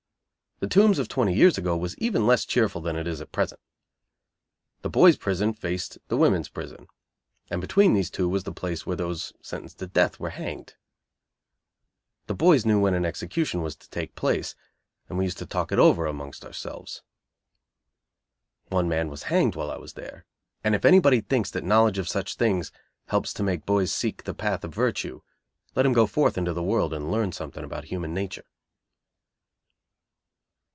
The Tombs of twenty years ago was even less cheerful than it is at present. The Boys' Prison faced the Women's Prison, and between these two was the place where those sentenced to death were hanged. The boys knew when an execution was to take place, and we used to talk it over among ourselves. One man was hanged while I was there; and if anybody thinks that knowledge of such things helps to make boys seek the path of virtue, let him go forth into the world and learn something about human nature.